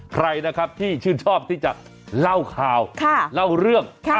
ใครนะครับที่ชื่นชอบที่จะเล่าข่าวเล่าเรื่อง